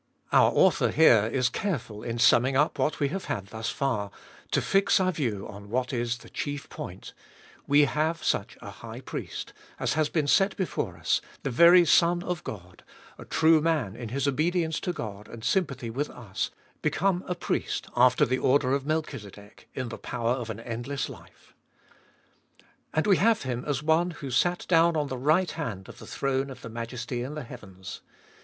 Our author here is careful in summing up what we have had thus far, to fix our view on what is the chief point — We have such a High Priest, as has been set before us, the very Son of God, a true Man in His obedience to God and sympathy with us, become a Priest after the order of Melchizedek, in the power of an endless life. And we have Him as one who sat down on the right hand of the throne of the Majesty in the heavens.